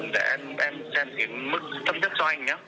để em xem kiểm mức thấp nhất cho anh nhá